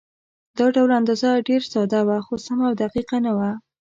دا ډول اندازه ډېره ساده وه، خو سمه او دقیقه نه وه.